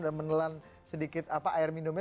dan menelan sedikit apa air minumnya